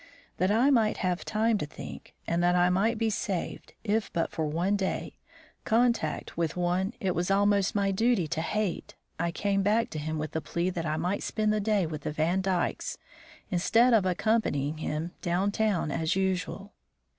That I might have time to think, and that I might be saved, if but for one day, contact with one it was almost my duty to hate, I came back to him with the plea that I might spend the day with the Vandykes instead of accompanying him down town as usual.